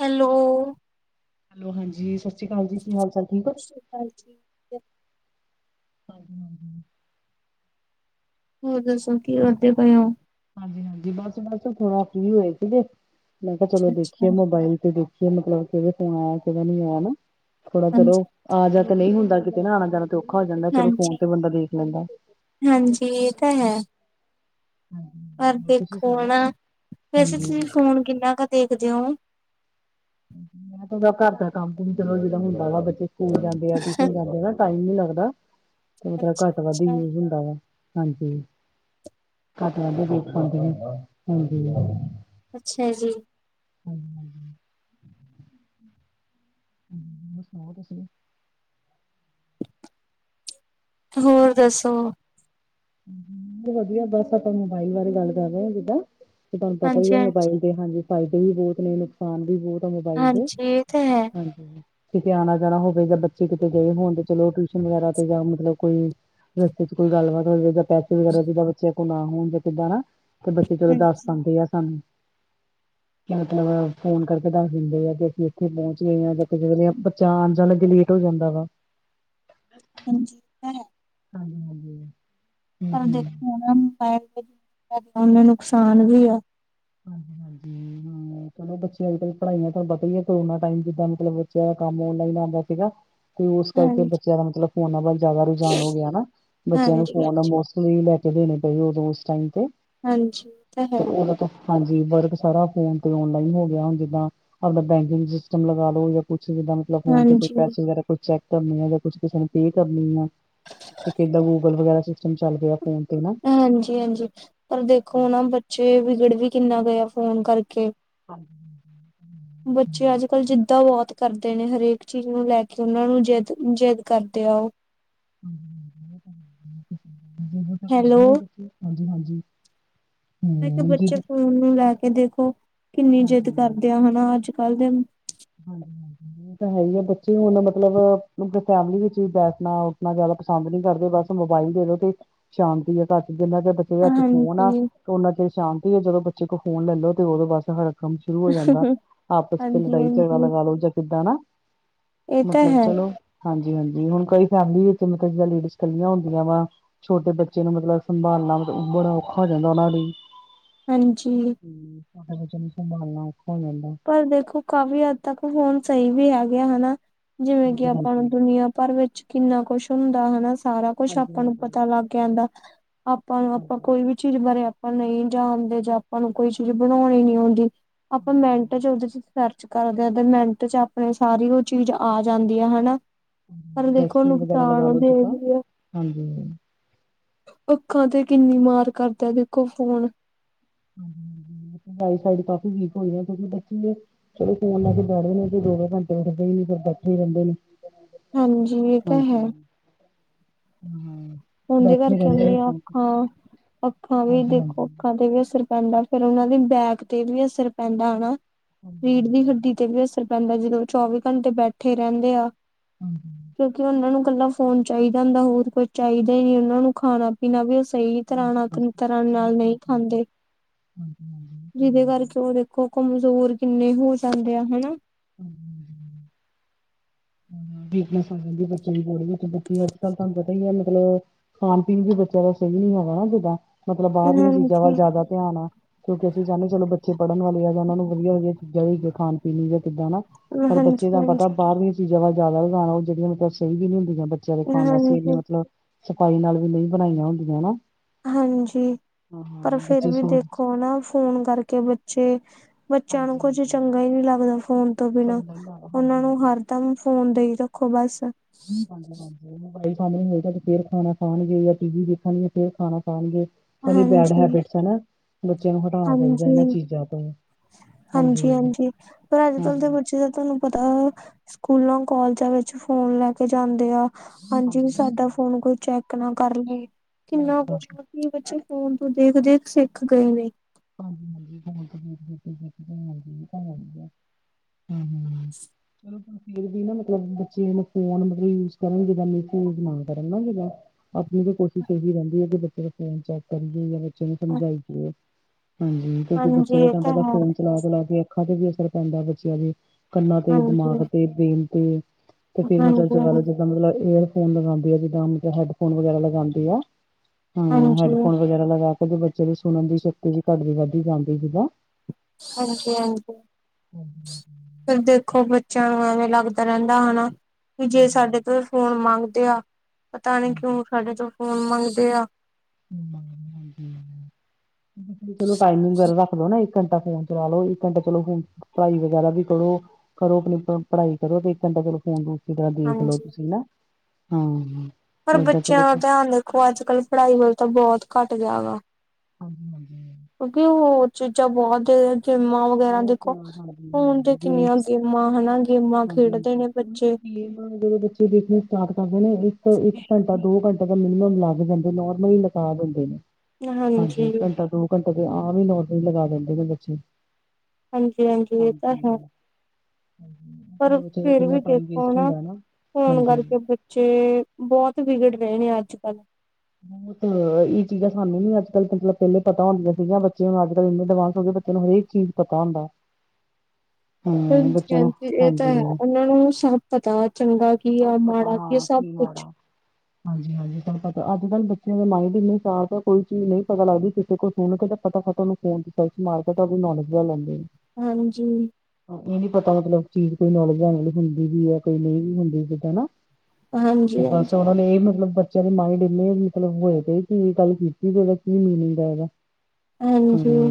Hello. Hello ਹਾਂਜੀ, ਸਤਿ ਸ਼੍ਰੀ ਅਕਾਲ ਜੀ, ਕੀ ਹਾਲ- ਚਾਲ ਠੀਕ ਏ। ਹਾਂਜੀ। ਹਾਂਜੀ-ਹਾਂਜੀ। ਹੋਰ ਦੱਸੋ ਕੀ ਕਰਦੇ ਪਏ ਹੋ? ਹਾਂਜੀ-ਹਾਂਜੀ, ਬਸ-ਬਸ, ਥੋੜਾ ਫ੍ਰੀ ਹੋਏ ਸੀਗੇ। ਮੈਂ ਕਿਹਾ ਚਲੋ ਅੱਛਾ-ਅੱਛਾ, ਦੇਖੀਏ ਮੋਬਾਇਲ ਤੇ ਦੇਖ। ਮਤਲਬ ਕਿਵੇਂ ਫਣ ਆਇਆ ਕਿਵੇਂ ਨੀ ਆਇਆ। ਥੋੜਾ ਹਾਂਜੀ। ਚਲੋ ਆ ਜਾ ਤੇ ਨਹੀਂ ਹੁੰਦਾ, ਕਿਤੇ ਨਾ ਆਣਾ ਜਾਣਾ। ਔਖਾ ਹੋ ਜਾਂਦਾ ਚਲੋ ਹਾਂਜੀ, ਫੋਨ ਤੇ ਬੰਦਾ ਦੇਖ ਲੈਂਦਾ ਤੇ। ਹਾਂਜੀ ਇਹ ਤਾਂ ਹੈ। ਪਰ ਹਾਂਜੀ ਹੋਰ ਤੁਸੀਂ ਦੇਖੋ ਸੁਣਾਓ ਹਨਾ, ਵੈਸੇ ਹਾਂਜੀ ਤੁਸੀਂ ਫੋਨ ਕਿੰਨਾ ਕੁ ਦੇਖਦੇ ਹੋ। [unintelligible] ਸਕੂਲ ਜਾਂਦੇ ਆ, ਅੱਛਾ-ਅੱਛਾ। ਟਿਉਸ਼ਨ ਜਾਂਦੇ ਆ ਟਾਈਮ ਨੀ ਲੱਗਦਾ। ਓਦਾ ਘੱਟ- ਵੱਧ ਹੀ ਅੱਛਾ ਯੂਜ ਹੁੰਦਾ ਵਾ। ਹਾਂਜੀ, ਘੱਟ ਵਧ ਹੀ ਦੇਖ ਪਾਉਂਦੇ ਹਾਂਜੀ। ਅੱਛਾ ਜੀ। [inaudible] ਹੋਰ ਸੁਣਾਓ ਤੁਸੀਂ? ਹੋਰ ਦੱਸੋ? ਵਧੀਆ ਬਸ, ਆਪਾਂ ਮੋਬਾਇਲ ਬਾਰੇ ਗੱਲ ਕਰ ਰਹੇ ਹਾਂ ਜਿੱਦਾਂ। ਤੇ ਤੁਹਾਨੂੰ ਪਤਾ ਹੀ ਹੈ ਹਾਂਜੀ-ਹਾਂਜੀ, ਮੋਬਾਇਲ। ਹਾਂਜੀ, ਫ਼ਾਇਦੇ ਵੀ ਬਹੁਤ ਨੇ, ਨੁਕਸਾਨ ਵੀ ਬਹੁਤ ਆ ਹਾਂਜੀ ਮੋਬਾਈਲ ਦੇ ਹਾਂਜੀ, ਇਹ ਤਾਂ ਹੈ। ਹਾਂਜੀ। ਕਿਤੇ ਆਉਣਾ ਜਾਣਾ ਹੋਵੇ ਜਾਂ ਬੱਚੇ ਕਿਤੇ ਗਏ ਹੋਣ ਤੇ ਚਲੋ ਟਿਊਸ਼ਨ ਵਗੈਰਾ ਤੇ ਜਾਂ ਮਤਲਬ ਕੋ। ਰਸਤੇ ਚ ਕੋਈ ਗੱਲਬਾਤ ਹੋ ਜਾਵੇ, ਪੈਸੇ ਵਗੈਰਾ ਜਿਦਾ ਬੱਚਿਆਂ ਕੋਲ ਨਾ ਹੋਣ ਜਾਂ ਕਿਦਾਂ ਨਾ। ਤੇ ਬੱਚੇ ਚਲੋ ਦੱਸ ਪਾਉਂਦੇ ਆ ਸਾਨੂੰ। [inaudible] ਮਤਲਬ ਫੋਨ ਕਰਕੇ ਦੱਸ ਦਿੰਦੇ ਆ ਕਿ, ਅਸੀਂ ਇੱਥੇ ਪਹੁੰਚ ਗਏ ਹਾਂ, ਜਾਂ ਕਿਸ ਬੱਚਾ ਆਉਣ ਜਾਣ ਦੇ ਲਈਏ ਭੀ। ਹੋ ਜਾਂਦਾ ਵਾ। ਹਾਂਜੀ ਹੈ। ਹਾਂਜੀ- ਹਾਂਜੀ। ਹਮ ਪਰ ਹਮ ਦੇਖੋ ਮੋਬਾਇਲ ਨੇ ਫਾਇਦੇ ਨੇ, ਨੁਕਸਾਨ ਵੀ ਆ। ਹਾਂਜੀ- ਹਾਂਜੀ। ਹੂੰ। ਚਲੋ ਬੱਚੇ ਅੱਜ ਕੱਲ ਪੜਾਈਆਂ ਤੋਂ ਪਤਾ ਹੀ ਹੈ। ਕਰੋਨਾ ਟਾਈਮ ਜਿੱਦਾਂ ਮਤਲਬ ਬੱਚਿਆਂ ਦਾ ਕੰਮ ਔਨਲਾਈਨ ਆਉਂਦਾ ਸੀਗਾ। ਤੇ ਉਸ ਕਰਕੇ ਹਾਂਜੀ, ਬੱਚਿਆਂ ਦਾ ਮਤਲਬ ਫੋਨਾਂ ਵੱਲ ਜ਼ਿਆਦਾ ਰੁਝਾਨ ਹੋ ਗਿਆ। ਹਨਾ, ਬੱਚਿਆਂ ਨੂੰ ਹਾਂਜੀ, ਫੋਨ ਹਾਂਜੀ, ਮੌਸ ਲੈ ਕੇ ਦੇਣੇ ਪਏ, ਉਦੋਂ ਉਸ ਟਾਈਮ ਤੋ, ਹਾਂਜੀ ਇਹ ਤਾਂ ਹੈ ਉਹਦਾ ਤੋਂ। ਹਾਂਜੀ ਵਰਕ ਸਾਰਾ ਫੋਨ ਤੇ ਔਨਲਾਈਨ ਹੋ ਗਿਆ। ਹੁਣ ਜਿੱਦਾਂ। ਆਪਣਾ ਬੈਂਕਿੰਗ ਸਿਸਟਮ ਲਗਾ ਲੋ। ਜਾਂ ਕੁਛ ਜਿੱਦਾਂ। ਫੋਨ ਤੇ ਕੋਈ ਹਾਂਜੀ। ਪੈਸੇ ਵਗੈਰਾ ਕੁ ਚੈੱਕ ਕਰਨੇ ਆ ਜਾਂ ਕੁਛ ਕਿਸੇ ਨੂੰ ਪੇ ਕਰਨੀ ਆ ਤੇ ਕਿਦਾਂ ਗੂਗਲ ਵਗੈਰਾ ਸਿਸਟਮ ਚੱਲ ਪਿਆ ਫੋਨ ਤੇ ਨਾ ਹਾਂਜੀ ਹਾਂਜੀ ਪਰ ਦੇਖੋ ਨਾ ਬੱਚੇ ਵਿਗੜ ਵੀ ਕਿੰਨਾ ਗਏ ਫੋਨ ਕਰਕੇ ਹਾਂਜੀ ਬੱਚੇ ਅੱਜ ਕੱਲ੍ਹ ਜਿੱਦਾਂ ਬਹੁਤ ਕਰਦੇ ਨੇ ਹਰੇਕ ਚੀਜ਼ ਨੂੰ ਲੈ ਕੇ ਉਹਨਾਂ ਨੂੰ ਜਿੱਦ ਜਿੱਦ ਕਰਦੇ ਆ ਉਹ ਹਾਂ [unintelligible] ਹੈਲੋ ਕਰਦੇ ਨੇ ਬੱਚੇ, ਹਾਂਜੀ- ਹਾਂਜੀ, ਹੂੰ। ਉਹ ਨੂੰ ਲੈ ਕੇ ਦੇਖੋ ਕਿੰਨੀ ਜਿੱਦ ਹਾਂਜੀ, ਕਰਦੇ ਆ ਹਨਾ ਅੱਜ ਕੱਲ ਦੇ ਹਾਂਜੀ ਹਾਂਜੀ ਇਹ ਤਾਂ ਹੈ ਹੀ ਹੈ ਬੱਚੇ ਹੁਣ ਮਤਲਬ ਫੈਮਿਲੀ ਵਿੱਚ ਵੀ ਬੈਠਣਾ ਉੱਠਣਾ ਜ਼ਿਆਦਾ ਪਸੰਦ ਨੀ ਕਰਦੇ ਬਸ ਮੋਬਾਈਲ ਦੇ ਦੋ ਤੇ ਸ਼ਾਂਤੀ ਆ ਘਰ ਜਿੰਨਾ ਕਿ ਅੱਜ ਫੋਨ ਆ ਹਾਂਜੀ ਤੇ ਉਹਨਾ ਚਿਰ ਸ਼ਾਂਤੀ ਆ ਜਦੋਂ ਬੱਚੇ ਕੋਲ ਫੋਨ ਲੈਲੋ ਤੇ ਉਦੋਂ ਬਸ ਹੜ ਕੰਮ ਸ਼ੁਰੂ ਹੋ ਜਾਂਦਾ ਆਪਸ ਤੇ ਲੜਾਈ ਹਾਂਜੀ-ਹਾਂਜੀ ਚ ਲੋ ਜਾਂ ਕਿੱਦਾਂ ਨਾ ਇਹ ਤਾਂ ਮਤਲਬ ਹੈ ਚਲੋ ਹਾਂਜੀ ਹਾਂਜੀ ਹੁਣ ਕਈ ਫੈਮਿਲੀ ਵਿੱਚ ਮਤਲਬ ਜਿਦਾਂ ਲੇਡੀਜ਼ ਇਕੱਲੀਆਂ ਹੁੰਦੀਆਂ ਵਾ ਛੋਟੇ ਬੱਚੇ ਨੂੰ ਮਤਲਬ ਸੰਭਾਲਣਾ ਮਤਲਬ ਉਹ ਬੜਾ ਔਖਾ ਹੋ ਜਾਂਦਾ ਉਹਨਾਂ ਲਈ ਹਾਂਜੀ ਸੰਭਾਲਣਾ ਔਖਾ ਹੋ ਜਾਂਦਾ ਪਰ ਦੇਖੋ ਕਾਫ਼ੀ ਹੱਦ ਤੱਕ ਹੁਣ ਸਹੀ ਵੀ ਹੈ ਗਿਆ ਹਨਾ ਜਿਵੇਂ ਕਿ ਆਪਾਂ ਨੂੰ ਹਾਂਜੀ-ਹਾਂਜੀ ਦੁਨੀਆਂ ਭਰ ਵਿੱਚ ਕਿੰਨਾ ਕੁਛ ਹੁੰਦਾ ਹਨ ਸਾਰਾ ਕੁੱਛ ਹਾਂਜੀ ਆਪਾਂ ਨੂੰ ਹਾਂਜੀ ਪਤਾ ਲੱਗ ਜਾਂਦਾ ਆਪਾਂ ਨੂੰ ਆਪਾਂ ਹਾਂਜੀ ਕੋਈ ਵੀ ਚੀਜ਼ ਬਾਰੇ ਆਪਾਂ ਨਹੀਂ ਜਾਣਦੇ ਜਾਂ ਆਪਾਂ ਨੂੰ ਕੋਈ ਚਿਜ਼ ਬਣਾਉਣੀ ਨੀ ਆਉਂਦੀ ਆਪਾਂ ਮ ਹਾਂਜੀ ਚਲਦੇਦੀ [unintelligible] ਸਰਚ ਕਰਦੇ ਹ ਤੇ ਮਿੰਟ ਚ ਆਪਣੇ ਸਾਰੀ ਉਹ ਚੀਜ਼ ਆ ਜਾਂਦੀ ਆ ਹਨਾ ਪਰ ਦੇਖੋ ਰੈਸਪੀ ਵਗੈਰਾ ਲਗਾ ਨੁਕਸਾਨ ਲੋ ਜਿੱਦਾਂ ਦੇਹੀ ਆ ਹਾਂਜੀ ਅੱਖਾਂ ਤੇ ਕਿੰਨੀ ਮਾਰ ਕਰਦਾ ਦੇਖੋ ਫੋਨ ਆਈ ਸਾਈਡ ਕਾਫੀ ਵੀਕ ਹੋਈ ਆ ਕਿਉਂਕਿ ਬੱਚੇ ਦੇ ਚਲੋ ਫੋਨ ਲਾ ਕੇ ਬੈਠ ਨੇ ਤੇ ਦੋੇ ਘੰਟੇ ਉੱਠਦੇ ਹੀ ਫਿਰ ਬੈਠੇ ਹੀ ਰਹਿੰਦੇ ਨੇ ਹਾਂਜੀ ਇਹ ਤਾਂ ਹਾਂਜੀ ਹੈ ਹਮ ਹਦੇ ਕਰਕੇ ਹੁੰਦੀਆਂ ਅੱਖਾਂ ਅੱਖਾਂ ਵੀ ਹਾਂਜੀ ਦੇਖੋ ਹਾਂਜੀ ਅੱਖਾਂ ਤੇ ਵੀ ਅਸਰ ਪੈਂਦਾ ਫੇਰ ਉਹਨਾਂ ਦੇ ਬੈਕ ਤੇ ਵੀ ਅਸਰ ਪੈਂਦਾ ਹਨਾ ਹਾਂਜੀ ਰੀੜ ਹਾਂਜੀ ਦੀ ਹੱਡੀ ਤੇ ਵੀ ਅਸਰ ਰਹਿੰਦਾ ਜਦੋਂ ਚੌਵੀ ਘੰਟੇ ਬੈਠੇ ਰਹਿੰਦੇ ਆ ਹਾਂਜੀ ਕਿਉਂਕਿ ਉਹਨਾਂ ਨੂੰ ਇਕੱਲਾ ਫੋਨ ਚਾਹੀਦਾ ਹੁੰਦਾ ਹੋਰ ਕੁਝ ਚਾਹੀਦਾ ਹੀ ਨੀ ਉਹਨਾਂ ਨੂੰ ਖਾਣਾ ਬਿਨਾਂ ਵੀ ਉਹ ਸਹੀ ਬਸ ਤਰ੍ਹਾਂ ਨਾਲ ਬਸ ਤਰ੍ਹਾਂ ਨਾਲ ਖਾ ਨਹੀਂ ਪਾਉਂਦੇ ਖਾਂਦੇ ਹਾਂਜੀ ਹਾਂਜੀ ਇਹ ਤਾਂ ਹੈ ਜਿਹਦੇ ਹੀ ਆ। ਕਰਕੇ ਉਹ ਦੇਖੋ ਕਮਜ਼ੋਰ ਕਿੰਨੇ ਹੋ ਜਾਂਦੇ ਆ ਹਨਾ ਹਾਂਜੀ ਹਾਂਜੀ [inaudible] ਵੀਕਨੈਸ ਆ ਜਾਂਦੀ ਬੱਚਿਆਂ ਦੀ ਬੋ ਵਿੱਚ ਬੱਚੇ ਅੱਜ ਕਲ੍ਹ ਤੁਹਾਨੂੰ ਪਤਾ ਹੀ ਹੈ ਮਤਲਬ ਖਾਣ ਪੀਣ ਵੀ ਬੱਚਿਆਂ ਦਾ ਸਹੀ ਨੀ ਹੈਗਾ ਨਾ ਜਿੱਦਾਂ ਮਤਲਬ ਬਾਹਰ ਦੀਆਂ ਚੀਜ਼ਾਂ ਵੱਲ ਹਾਂਜੀ ਜ਼ਿਆਦਾ ਧਿਆਨ ਆ ਕਿਉਂਕਿ ਅਸੀਂ ਚਾਹੁੰਦੇ ਚਲੋ ਬੱਚੇ ਪੜ੍ਹਨ ਵਾਲ ਆ ਜਾਂ ਉਹਨਾਂ ਨੂੰ ਵਧੀਆ ਵਧੀਆ ਚੀਜ਼ਾਂ ਹੋੀਆਂ ਖਾਣ ਪੀਣ ਦੇ ਵਿੱਚ ਕਿੱਦਾਂ ਨਾ ਪਰ ਹਾਂਜੀ ਬੱਚੇ ਦਾ ਹਾਂਜੀ ਪਤਾ ਬਾਰਵੀਂ ਚੀਜ਼ਾਂ ਵੱਲਿਆਦਾ ਵੀ ਖਾਣਾ ਉਹ ਜਿਹੜੀਆਂ ਮਤਲਬ ਸਹੀ ਵੀ ਨੀੁੰਆਂ ਬੱਚਿਆਂ ਦੇ ਖਾ ਵਾਸਤੇ ਇਨੇ ਹਾਂਜੀ ਮਤਲਬ ਸਫਾਈ ਨਾਲ ਵੀ ਨਹੀਂ ਬਣਾਈਆਂ ਹੁੰਦੀਆਂ ਹਨਾ ਹਾਂਜੀ ਪਰ ਫਿਰ ਵੀ ਸੋ ਦੇਖੋ ਨਾ ਫੋਨ ਕਰਕੇ ਬੱਚੇ ਬੱਚਿਆਂ ਨੂੰ ਹਾਂਜੀ ਕੁੱਝ ਹਾਂਜੀ ਚੰਗਾ ਹੀ ਨਹੀਂੀ ਲੱਗਦਾ ਫੋਨ ਤੋਂ ਬਿਨਾਂ ਚੰਗਾ ਹੀ ਲ ਉਹਨਾਂ ਹਾਂਜੀ ਨੂੰ ਹਾਂਜੀ ਹਰ ਤਾਂੂੰ ਫੋਨ ਦੇਈ ਰੱਖੋ ਬਸ ਹਾਂਜੀ ਹਜੀ ਮੋਬਾਈਲ ਸਾਹਮਣੇ ਹੋਏਗਾ ਤੇ ਫੇਰ ਖਾਣਾ ਖਾਣਗੇ ਟੀ ਦੇਖਣ ਫੇਰ ਖਾਣਾ ਖਾਣਗੇ ਉਹੀ ਬੈਡ ਹਾਂਜੀ ਹੈਬਿਟਸ ਹੈਾ ਬੱਚਿਆਂ ਨੂੰ ਹਟਾਉਣਾ ਚਾਹੀਦਾ ਇਹਨਾਂ ਚੀਜ਼ਾਂ ਤੋਂ ਹਾਂਜੀ ਹਾਂਜੀ ਪਰ ਅੱਜ ਕੱਲ੍ਹ ਤਾਂ ਬੱਚੇ ਦਾ ਤੁਹਾਨੂੰ ਪਤਾ ਸਕੂਲਾਂ ਕਾਲਜਾਂ ਵਿੱਚ ਫੋਨ ਲੈ ਕੇ ਜਾਂਦੇ ਆ ਹਾਂਜੀ ਵੀ ਸਾਡਾ ਫੋਨ ਕੋਈ ਚੈੱਕ ਨਾ ਕਰ ਲਏ ਬਸ ਕਿੰਨਾ ਬਸ ਕੁਛ ਕੀ ਬੱਚੇ ਫੋਨ ਤੋਂ ਦੇਖ ਦੇਖ ਸਿੱਖ ਗਏ ਨੇ ਹਾਂਜੀ ਹਾਂਜੀ ਹ ਹਮ [unintelligible] [inaudible] ਫਿਰ ਵੀ ਨਾ ਮਤਲਬ ਬੱਚੇ ਫੋਨ ਮਤ [unintelligible] ਲਬ ਯੂ ਕਰਨਗੇ ਮਗ ਕਰਨ ਨਾ ਜ ਆਪਣੀ ਤਾਂ ਕੋਸ਼ਿਸ਼ ਇਹੀ ਰਹਿੰਦੀ ਹੈ ਕਿ ਬੱਚੇ ਦਾ ਫੋਨ ਚੈੱਕ ਕਰੀਏ ਜਾਂ ਬੱਚੇ ਨੂੰ ਸਮਝਾਈਏ ਹਾਂਜੀ ਕਿਉਂਕਿ ਹਾਂਜੀ ਬੱਚਿਆਂ ਨੂੰ ਇਹ ਤੁਹਾਨੂੰ ਤਾਂ ਪਤਾ ਹੈ ਫੋਨ ਚਲਾ ਚਲਾ ਕੇ ਅੱਖਾਂ ਤੇ ਵੀ ਅਸਰ ਪੈਂਦਾ ਬੱਚਿਆਂ ਦੇ ਕੰਨਾਂ ਤੇ ਹਾਂਜੀ-ਹਾਂਜੀ ਦਿਮਾਗ ਤੇ ਦੇਣ ਤੇ ਤੇ ਫਿਰ ਮਤਲਬ ਹਾਂਜੀ ਜ ਜਿੱਦਾਂ ਮਤਲਬ ਇਹ ਫੋਨ ਲਗਾਉਂਦੀ ਆ ਜਿੱਦਾਂ ਮਤਲਬ ਹੈਡਫੋਨ ਵਗੈਰਾ ਲਗਾਉਂਦੀ ਆ ਹਮ ਹੈਡਫੋਨ ਵਗੈਰਾ ਲਗਾ ਕੇ ਕਦੇ ਬੱਚੇ ਦੀ ਸੁਨਨ ਦੀ ਸ਼ਕਤੀ ਜ ਘੱਟਦੀ ਵੱਧਦੀ ਜਾਂਦੀ ਸੀਗਾ ਹਾਂਜੀ ਹਾਂਜੀ ਫਿਰ ਦੇਖੋ ਬੱਚਿਆਂ ਨੂੰ ਐਵੇਂ ਲੱਗਦਾ ਰਹਿੰਦਾ ਹੈਨਾ ਵੀ ਜੇ ਸਾਡੇ ਤੋਂ ਫੋਨ ਮੰਗਦੇ ਆ ਪਤਾ ਨੀ ਕਿਉਂ ਸਾਡੇ ਤੋਂ ਫੋਨ ਮੰਗਦੇ ਆ ਚਲੋ ਟਾਈਮਿੰਗ ਵਗੈਰਾ ਰੱਖ ਲੋ ਨਾ ਇਕ ਘੰਟਾ ਫੋਨ ਚਲਾ ਲੋ ਇੱਕ ਘੰਟਾ ਚਲੋ ਫ ਪੜਾਈ ਵਗੈਰਾ ਵੀ ਕਰੋ ਕਰੋ ਅਪਨੀ ਪ ਪੜ੍ਹਾਈ ਕਰੋ ਤੇ ਇੱਕ ਘੰਟਾ ਚਲੋ ਫੋਨ ਤ ਤੇ ਜਰਾ ਦੇਖ ਲਓ ਹਾਂਜੀ ਤੁਸੀਂ ਨਾ ਹਾਂ ਹ ਪਰ ਬੱਚਿਆਂ ਦਾ ਧਿਆਨ ਦੇਖੋ ਅੱਜ ਕੱਲ੍ਹ ਪੜ੍ਹਾਈ ਵੱਲ ਤਾਂ ਬਹੁਤ ਘੱਟ ਗਿਆ ਵਾ ਹਾਂਜੀ ਹਾਂਜੀ ਕਿਉਂਕਿ ਹੋਰ ਚੀਜ਼ਾਂ ਬਹੁਤ ਗੇਮਾਂ ਵਗੈਰਾ ਬਹੁਤ ਦੇਖੋ ਹਾਂਜੀ ਹਾਂ ਹੁਨ ਤੇ ਕਿੰਨੀਆਂ ਗੇਮਸ ਗੇਮਾਂ ਹਨਾ ਗੇਮਾਂ ਹਾਂਜੀ ਖੇਡਦੇ ਹਾਂਜੀ ਨੇ ਬੱਚੇ ਗੇਮ ਜਦੋਂ ਬੱਚੇ ਦੇਖਣੇ ਸਟਾਰਟ ਕਰਦੇ ਨੇ ਇੱਕ ਇੱਕ ਘੰਟਾ ਦੋ ਘੰਟਾ ਤਾਂ ਮਿਨੀਮਮ ਲੱਗ ਜਾਂਦੇ ਨੋਰਮਲ ਹੀ ਲਗਾ ਦਿੰਦੇ ਨੇ ਹਾਂਜੀ ਘੰਟਾ ਦੋ ਘੰਟਾ ਤੇ ਆਮ ਹੀ ਨੋਰਮਲ ਲਗਾ ਦਿੰਦੇ ਨੇ ਬੱਚੇ ਹਾਂਜੀ ਹਾਂਜੀ ਇਹ ਤਾਂ ਹੈ ਹਾਂ ਹ [unintelligible] ਪਰ ਫੇਰ ਵੀ ਦੇਖੋ ਨਾ ਫੋਨ ਹਾਂਜੀ ਕਰਕੇ ਬੱਚੇ ਬਹੁਤ ਵਿਗੜ ਗਏ ਨੇ ਅੱਜ ਕੱਲ ਬਹੁਤ ਇਹ ਚੀਜ਼ਾਂ ਸਾਨੂੰ ਨੀ ਅੱਜ ਕੱਲ ਮਤਲਬ ਪਹਿਲੇ ਪਤਾ ਹੁੰਦੀਆਂ ਸੀਗੀਆਂ ਬੱਚਿਆਂ ਨੂੰ ਅੱਜ ਕੱਲ ਇੰਨੇ ਅਡਵਾਂਸ ਹੋ ਗਏ ਬ ਤੈਨੂੰ ਹਰੇਕ ਚੀਜ਼ ਪਤਾ ਹੁੰਦਾ ਹਮ ਬੱਚਿਆਂ ਨੂੰ ਹਾਂਜੀ ਇਹ ਤਾਂ ਹੈ ਹਾਂਜੀ ਹੁਨ ਉਹਨਾਂ ਨੂੰ ਸਭ ਪਤਾ ਚੰਗਾ ਕੀ ਸਭ ਆ ਪਤਾ ਮਾੜਾ ਕੀ ਆ ਹਾਂ ਸਭ ਕੁਛ ਮਾੜਾ ਹਾਂਜੀ ਹਾਂਜੀ ਤੁਹਾਨੂੰ ਪਤਾ ਅੱਜ ਕੱਲ੍ਹ ਬੱਚਿਆਂ ਦੇ ਮਾਇੰਡ ਇੰਨੀੇ ਸ਼ਆਰਪ ਆ ਕੋਈ ਚੀਜ਼ ਨਹੀਂ ਪਤਾ ਲੱਗਦੀ ਕਿਸੇ ਕੋਲ ਸੁਣ ਕੇ ਤਾਂ ਪਤਾ ਤੁਹਾਨੂੰ ਫੋਨ ਤੇ ਮਾਰ ਕੇ ਉਹਦੀ ਨੌਲੇਜ ਲੈ ਲੈਂਦੇ ਆ ਹਾਂਜੀ ਇਹ ਨੀ ਪਤਾ ਮਤਲਬ ਚੀਜ਼ ਕੋਈ ਨੌਲੇਜ ਲੈਣ ਆਲੀ ਹੁੰਦੀ ਵੀ ਹੈ ਕੋਈ ਨਹੀਂ ਵੀ ਹੁੰਦੀ ਜਿੱਦਾਂ ਹੈਨਾ ਤੇ ਹਾਂਜੀ ਬਸ ਹਾਂਜੀ ਉਹਨਾਂ ਨੇ ਇਹ ਮਤਲਬ ਚੱਲ ਮਾਈਡ ਇੰਨੇ ਮਤਲਬ ਹੋਏ ਤੇ ਕਿ ਗੱਲ ਕੀਤੀ ਤੇ ਉਹਦਾ ਕੀ ਮੀਨਿੰਗ ਹੈ ਇਹਦਾ ਹੁ ਹਾਂਜੀ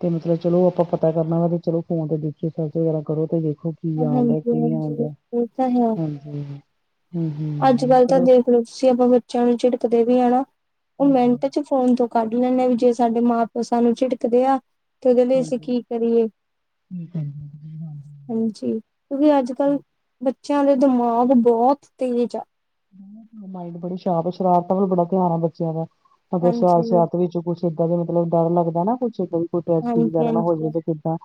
ਤੇ ਮਤਲਬ ਚਲੋ ਅਪਾਂ ਪਤਾ ਕਰਨਾ ਵਾ ਤੇ ਚਲੋ ਫੋਨ ਤੇ ਦੇਖੀਏ ਸਰਚ ਵਗੈਰਾ ਕਰੋ ਤੇ ਦੇਖੋ‌। ਕੀ ਆਂਨ ਡਿਆ ਕੀ ਨੀ ਆਂਨ ਡਿਆ। ਏ ਤਾਂ ਹੈ। ਹੂੰ। [unintelligible] ਅੱਜ-ਕੱਲ੍ਹ ਤਾਂ ਦੇਖਲੋ ਤੁਸੀਂ ਅਪਣੇ ਬੱਚਿਆਂ ਨੂੰ ਝਿੜਕਦੇ ਵੀ ਆ ਨਾ ਓਹ ਹਾਂਜੀ, ਮਿੰਟ ਚ ਫੋਨ ਤੋਂ ਕੱਢ ਲੈਣਾ ਵੀ ਜੇ ਸਾਡੇ ਮਾਂ-ਪਿਓ ਸਾਨੂੰ ਝਿੜਕਦੇ ਆ। ਤੇ ਉਹਦੇ ਲਈ ਹਾਂ ਅਸੀਂ ਹਾਂ, ਕੀ ਕਰੀਏ ਠੀਕ ਹੈ [unintelligible] ਬਣਾ ਦੂੰਗੀ। [unintelligible] ਹਾਂਜੀ, ਕਿਉਂਕਿ ਅੱਜ-ਕੱਲ ਬੱਚਿਆਂ ਦੇ ਦਿਮਾਗ ਬਹੁਤ ਤੇਜ਼ ਆ। ਮਾਈਡ ਬੜੀ ਸਾ਼ਰਪ ਏ ਸ਼ਰਾਰਤਾਂ ਵੱਲ ਬੜਾ ਧਿਆਨ ਆ ਬੱਚਿਆਂ ਦਾ, ਹਜੇ ਸ਼ਰਾ ਹਾਂਜੀ ਸ਼ਰਾਰਤ ਵਿੱਚ ਕੁਛ ਕਿੱਦਾਂ ਦੇ ਮਤਲਬ ਡਰ ਲੱਗਦੈ ਨਾ ਕੁਛ ਕਦੀ ਕੋਈ ਟਰੋਜਡੀ ਹਾਂਜੀ ਵਗੈਰਾ ਨਾ ਹੋ ਜੇ ਹਾਂਜੀ ਤੇ ਕਿੱਦਾਂ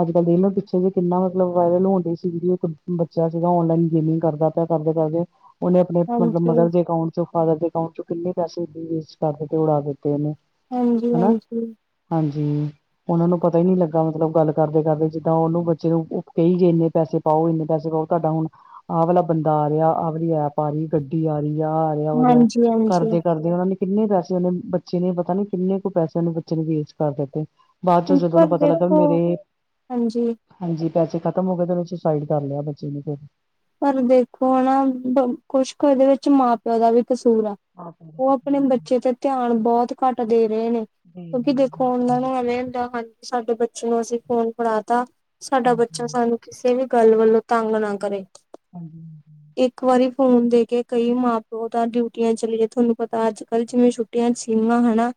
ਅੱਜ-ਕੱਲ ਦੇ ਦੇਖਲੋ ਪਿੱਛੇ ਵੀ ਕਿੰਨਾ ਮਤਲਬ ਵਾਇਰਲ ਹੋਣ ਡਈ ਸੀ ਵੀਡੀਓ ਬੱਚਾ ਸੀਗਾ ਔਨਲਾਈਨ ਗੇਮਿੰਗ ਕਰਦਾ ਪਿਆ, ਕੱਰਦੇ-ਕੱਰਦੇ ਉਹਨੇ ਅਪਣੇ ਮਤਲਬ ਮਦਰ ਹਾਂਜੀ ਦੇ ਅਕਾਊਂਟ ਚੋਂ ਫਾਦਰ ਦੇ ਅਕਾਊਟ ਚੋ ਕਿੰਨੇ ਪੈਸੇ ਬਈ ਵੇਸਟ ਕਰਦੇ ਤੇ ਉਡਾ ਦਿੱਤੇ ਏਨੇ। ਹਾਂਜੀ ਹਾਂਜੀ। ਹਾਂਜੀ, ਓਹਨਾਂ ਨੂੰ ਪਤਾ ਹੀ ਨੀ ਲੱਗਾ ਮਤਲਬ ਗੱਲ ਕਰਦੇ ਕਰਦੇ ਜਿੱਦਾਂ ਔਨੂੰ ਬੱਚੇ ਨੂੰ ਕਹੀ ਜੇ ਨੇ ਪੈਸੇ ਪਾਓ ਇੰਨੇ ਪੈਸੇ ਪਾਓ, ਤੁਹਾਡਾ ਹੁਣ ਆਹ ਵਾਲਾ ਬੰਦਾ ਆ ਰਿਆ ਆਹ ਵਾਲੀ ਐਪ ਆ ਰਈ ਏ ਗੱਡੀ ਆ ਰਹੀ ਆ ਆ ਰਿਹਾ ਵਾ ਔ ਰਿਹਾ ਹਾਂਜੀ ਹਾਂਜੀ ਕਰਦੇ-ਕਰਦੇ ਤੇ ਓਨਾ ਨੇ ਕਿੰਨੇ ਪੈਸੇ ਔਨੇ ਬੱਚੇ ਨੇ ਪਤਾ ਨੀ ਕਿੰਨ ਕੁ ਪੈਸੇ ਔਨੇ ਬੱਚੇ ਨੇ ਵੇਸਟ ਕਰ ਦਿੱਤੇ। ਬਾਦ ਚ ਜਦੋ ਪਰ ਔਨੂ ਪਤਾ ਲੱਗਾ ਦੇਖੋ ਮੇਰੇ ਹਾਂਜੀ ਹਾਂਜੀ, ਪੈਸੇ ਖ਼ਤਮ ਹੋਗੇ ਤੇ ਓਨੇ ਸੁਸਾਈਡ ਕਰ ਲਿਆ ਬੱਚੇ ਨੇ ਫੇਰ। ਪਰ ਦੇਖੋ ਨਾ ਕੁਛ ਕੁ ਏਦੇ ਵਿੱਚ ਮਾਂ-ਪਿਓ ਦਾ ਵੀ ਕਸੂਰ ਆ। ਆਪ ਉਹ ਆਪਣੇ [unintelligible] ਬੱਚੇ ਤੇ ਧਿਆਨ ਬੌਤ ਘੱਟ ਦੇ ਰਏ ਨੇ ਕਿਉਂਕਿ ਦੇਖੋ ਔਨਾ ਨੂ ਹਲੇ ਦਾਣ ਸਾਡੇ ਬੱਚੇ ਨੂੰ ਅਸੀਂ ਫੋਨ ਫੜਾ ਤਾ ਸਾਡਾ ਬੱਚਾ ਸਾਨੂੰ ਕਿਸੇ ਵੀ ਗੱਲ ਵੱਲੋਂ ਤੰਗ ਨਾ ਕਰੇ। ਹਾਂਜੀ-ਹਾਂਜੀ। ਇੱਕ ਵਾਰੀ ਫੋਨ ਦੇ ਕੇ ਕਈ ਮਾਂ-ਪਿਓ ਤਾਂ ਡਿਊਟੀਆਂ ਚਲੀ ਜੇ, ਥੋਨੂੰ ਪਤਾ ਅੱਜ-ਕੱਲ ਜਿਵੇਂ ਛੁੱਟ ਟੀਆਂ [unintelligible]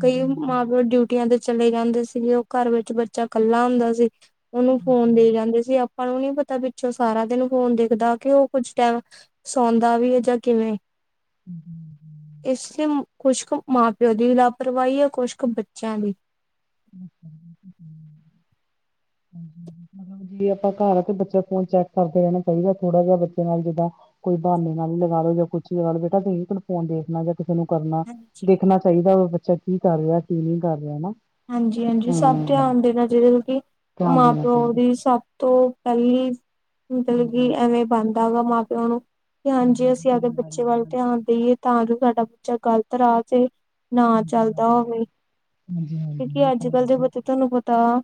ਕਈ ਮਾਂ-ਪਿਓ ਡਿਊਟੀਆਂ ਤੇ ਚਲੇ ਜਾਂਦੇ ਸੀਗੇ, ਔ ਕਾਰ ਵਿੱਚ ਬੱਚਾ ਕੱਲਾ ਹੁੰਦਾ ਸੀ। ਔਨੂੰ ਫੋਨ ਦੇ ਜਾਂਦੇ ਸੀ, ਆਪਾਂ ਨੂੰ ਨੀ ਪਤਾ ਪਿੱਛੋਂ ਸਾਰਾ ਦਿਨ ਫੋਨ ਦੇਖਦਾ ਕਿ ਓਹ ਕੁੱਛ ਟੈਮ ਸੌਂਦਾ ਵੀ ਏ ਜਾਂ ਕਿਵੇਂ। ਇਸ ਕੁਛ ਕ ਮਾਂ-ਪਿਓ ਦੀ ਲਾਪਰਵਾਹੀ ਐ, ਕੁਛ ਕ ਬੱਚਿਆਂ ਦੀ। [unintelligible] ਮਤਲਬ ਜੇ ਅਪਾਂ ਕਾਰ ਆ ਕੇ ਬੱਚੇ ਦਾ ਫੋਨ ਚੈੱਕ ਕਰਦੇ ਰੈਣਾ ਚਾਈਦੈ ਥੋੜਾ ਜਾ ਬੱਚੇ ਨਾਲ ਜਿੱਦਾਂ ਕੋਈ ਬਹਾਨੇ ਨਾਲ ਹੀ ਲਗਾ ਲੋ ਯਾ ਕੁੱਛ ਵੀ ਲਗਾ ਲੋ ਬੇਟਾ ਦਈਂ ਇਕ ਮਿੰਟ ਫੋਨ ਦੇਖਣਾ ਜਰ ਕਿਸੇ ਨੂੰ ਕਰਨਾ, ਹਾਂਜੀ ਦੇਖਣਾ ਚਾਹੀਦੈ ਵਾ ਬੱਚਾ ਕੀ ਕਰ ਰਿਆ ਕੀ ਨਹੀਂ ਕਰ ਰਿਆ ਨਾ। ਹਾਂਜੀ-ਹਾਂਜੀ, ਸਭ ਹਮ ਧਿਆਨ ਦੇਣਾ ਜ਼ਰੂਰੀ ਏ, ਧਿਆਨ ਦੇਣਾ ਮਾਂ-ਪਿਓ ਚਾਹੀਦਾ ਵੀ ਸਭ ਤੋਂ ਪਈ ਮਤਲਬ ਹਾਂਜੀ ਕਿ ਹਾਂਜੀ ਐਵੇਂ ਬਾਣਦਾ ਵਾ ਮਾਂ-ਪਿਓ ਨੂੰ। ਕਿ ਹਾਂਜੀ, ਅਸੀਂ ਆਪਦੇ ਜਿੰਮੇਵਾਰੀ ਬੱਚੇ ਹੈ ਵੱਲ ਧਿਆਨ ਹਾਂਜੀ ਦੇਈਏ ਤਾਂ ਜੋ ਸਾਡਾ ਬੱਚਾ ਗ਼ਲਤ ਰਾਹ ਤੇ ਨਾ ਹਾਂਜੀ ਆ ਚੱਲਦਾ ਜਾ ਹੋਵੇ, ਹਾਂਜੀ ਹਾਂਜੀ ਕਿਉਂਕਿ ਇਹ ਤਾਂ ਹੈ ਅੱਜ-ਕੱਲ ਦੇ ਹੀ ਹੈ ਬੱਚੇ ਤੁਹਾਨੂੰ ਪਤਾ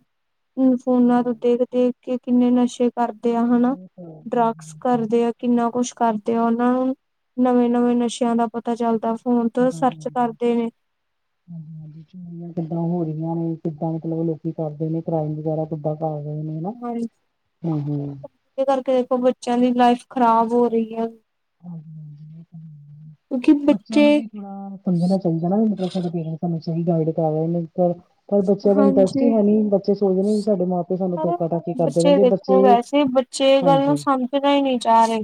ਫੋਨਾ ਤੋਂ ਦੇਖ-ਦੇਖ ਕੇ ਕਿੰਨੇ ਨਸ਼ੇ ਕਰਦੇ ਆ ਹਨਾ, ਹਾਂਜੀ ਡਰੱਗਸ ਹਾਂਜੀ ਕਰਦੇ ਆ। ਕਿੰਨਾ ਕੋਛ ਕਰਦੇ ਆ ਓਨਾਂ ਨੂੰ ਨਵੇਂ-ਨਵੇਂ ਨਸ਼ਿਆਂ ਦਾ ਪਤ ਪਤਾ ਚੱਲਦਾ ਫੋਨ ਤੋ ਪਤਾ ਨੀ ਸਰਚ ਲੱਗਦਾ। ਕਰਦੇ ਨੇ। [unintelligible] ਕਿੱਦਾਂ ਹੋ ਰਹੀਆਂ ਨੇ ਕਿੱਦਾਂ ਮਤਲਬ ਲੋਕੀ ਕਰਦੇ ਨੇ ਕ੍ਰਾਈਮ ਵਗੈਰਾ। ਕਿੱਦਾਂ ਕਰਦੇ ਨੇ ਨਾ, ਹੂੰ-ਹੂੰ। ਏਦੇ ਕਰਕੇ ਵੇਖੋ ਬੱਚਿਆਂ ਦੀ ਲਾਈਫ ਖ਼ਰਾਬ ਹੋ ਰਹੀ ਐ। ਕਿਉਂਕਿ ਬੱਚੇ ਬੱਚਿਆਂ ਨੂੰ ਵੀ ਥੋੜਾ ਸਮਝਨਾ ਚਾਈ ਹੈਨਾ ਬਈ ਮਤਲਬ ਸਾਡੇ ਪੇਰੈਂਟ ਸਾਨੂੰ ਸਹੀ ਗਾਈਡ ਕਰਾ ਰੇ ਨੇ, ਪਰ ਪਰ ਬੱਚਿਆਂ ਦਾ ਇੰਟਰਸਟ ਹਾਂਜੀ ਹੀ ਹੈ ਨੀ, ਬੱਚੇ ਸੋਚਦੇ ਨੇ ਵੀ ਸਾਡੇ ਮਾਂ-ਪਿਓ ਸਾਨੂੰ ਪਰ ਟੋਕਾ-ਟਾਕੀ ਕਰਦੇ ਰੈੰਦੇ, ਬੱਚੇ ਚੇ ਗੱਲ ਨੂੰ ਹਾਂਜੀ ਸਮਝਣਾ ਹੀ ਨੀ ਚਾਰੇ।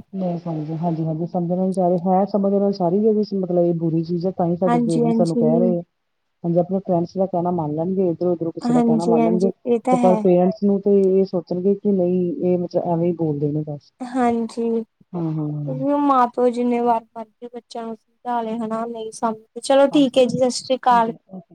ਹਾਂਜੀ-ਹਾਂਜੀ ਸਮਝਣ ਨਾਲ, ਹਾਂ ਸਮਝ ਦੇ ਨਾਲ ਸਾਰੇ ਵੀ ਐ ਮਤਲਬ ਏ ਬੁਰੀ ਚੀਜ਼ ਏ। ਤਾਂ ਹੀ ਸਾਡੇ ਪੇਰੈਂਟ ਸਾਨੂੰ ਹਾਂਜੀ-ਹਾਂਜੀ, ਕਹਿ ਰੇ, ਹਾਂਜੀ ਆਪਣੇ ਫਰੈਂਡਸ ਦਾ ਕਹਿਨਾ ਮੰਨ ਲੈਨਗੇ। ਇਧਰੋਂ ਉਦਰੋ ਕਿਸੇ ਨੇ ਕਹਿਣਾ ਮੰਨ ਲੈਣਗੇ, ਹਾਂਜੀ-ਹਾਂਜੀ ਇਹ ਤੇ ਤਾਂ ਪਰ ਹੈ। ਪੇਰੈਂਟਸ ਕਿਉਂ ਕਿ, ਉਹ ਇਹੀ ਸੋਚਣਗੇ ਕਿ ਨਹੀਂ ਇਹ ਵਿੱਚ ਐਵੇਂ ਹੀ ਬੋਲਦੇ ਨੇ ਬਸ ਹਾਂਜੀ, ਹਾਂ ਹਾਂ ਉਹ ਮਾਂ-ਪਿਓ ਜਿੰਨੇ ਵਾਰ [unintelligible] ਬੱਚਿਆਂ ਨੂੰ ਸਮਝਾ ਲੇ ਹਨਾ, ਨਹੀਂ ਸਮਝ, ਚਲੋ ਠੀਕ ਹਾਂਜੀ ਐ ਹਾਂਜੀ ਜੀ, ਸਤਿ ਸ੍ਰੀ ਠੀਕ ਅਕਾਲ। ਹੈ ਜੀ, ਓਕੇ